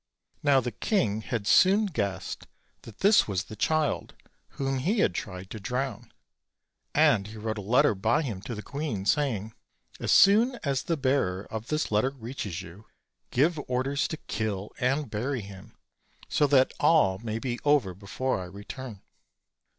Now the king had soon guessed that this was the child r. whom he had tried to drown; and he wrote a letter by him to the queen, saying: "As soon as the bearer of this letter reaches you, give orders to kill and bury him, so that all may be over before I return."